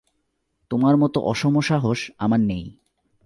তোমার মতো অসমসাহস আমার নেই।